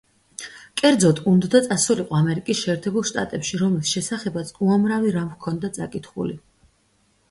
კერძოდ, უნდოდა წასულიყო ამერიკის შეერთებულ შტატებში, რომლის შესახებაც უამრავი რამ ჰქონდა წაკითხული.